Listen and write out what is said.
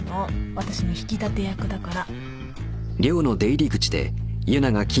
私の引き立て役だから。